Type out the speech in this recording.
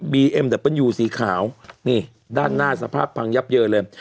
เอ็มดับเปิ้ลยูสีขาวนี่ด้านหน้าสภาพพังยับเยินเลย